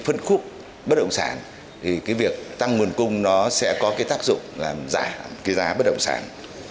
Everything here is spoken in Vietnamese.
phân khúc bất động sản thì cái việc tăng nguồn cung nó sẽ có cái tác dụng làm giảm cái giá bất động sản